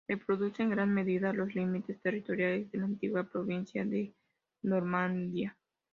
Reproduce en gran medida los límites territoriales de la antigua provincia de Normandía.